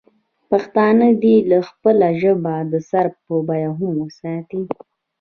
پښتانه دې خپله ژبه د سر په بیه هم وساتي.